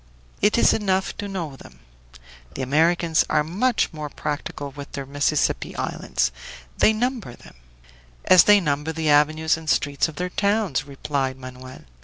It is enough to know them. The Americans are much more practical with their Mississippi islands; they number them " "As they number the avenues and streets of their towns," replied Manoel.